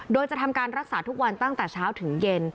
โดยจะทำการรักษาทุกวันตั้งแต่เช้าถึงเย็น